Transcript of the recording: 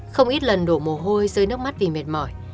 không ít lần nổ mồ hôi dưới nước mắt vì mệt mỏi